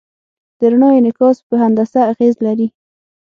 د رڼا انعکاس په هندسه اغېز لري.